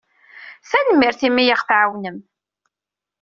Tanemmirt imi i aɣ-tɛawnem.